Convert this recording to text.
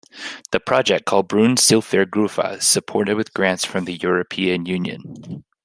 The project, called Brunns Silfvergrufva, is supported with grants from the European Union.